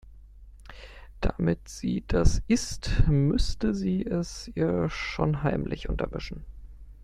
Damit sie das isst, müsste sie es ihr schon heimlich untermischen.